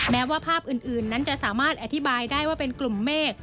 แม้ว่าภาพอื่นนั้นจะสามารถอธิบายได้ว่าเป็นกลุ่มเมฆ